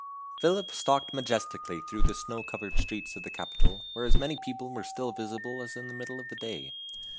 Philip stalked majestically through the snow covered streets of the capital, where as many people were still visible as in the middle of the day.